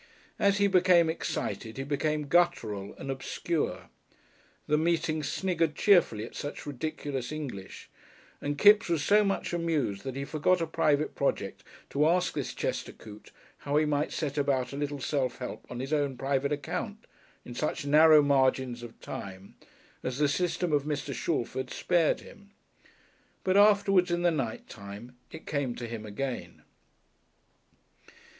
As he became excited he became guttural and obscure; the meeting sniggered cheerfully at such ridiculous English, and Kipps was so much amused that he forgot a private project to ask this Chester Coote how he might set about a little self help on his own private account in such narrow margins of time as the System of Mr. Shalford spared him. But afterwards in the night time it came to him again.